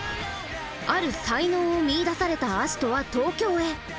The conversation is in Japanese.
ある才能を見いだされた葦人は東京へ。